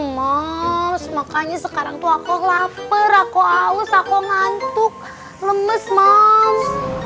mos makanya sekarang tuh aku lapar aku aus aku ngantuk lemes mam